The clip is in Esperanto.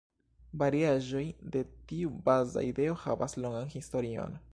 Variaĵoj de tiu baza ideo havas longan historion.